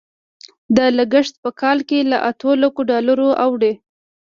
دا لګښت په کال کې له اتو لکو ډالرو اوړي.